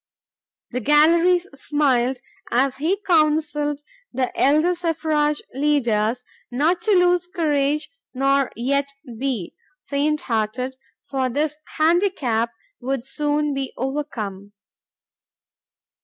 ... The galleries smiled as he counseled the elder suffrage leaders "not to lose courage nor yet be: fainthearted," for this "handicap" would soon be overcome.